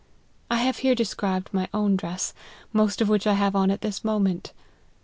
I have here described my own dress, most of which I have on at this moment.